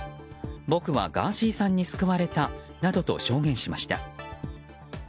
僕はガーシーさんに救われたなどと証言しました。